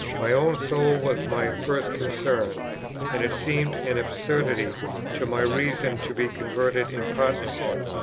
My own soul was my first concern, and it seemed an absurdity to my reason to be converted in partnership.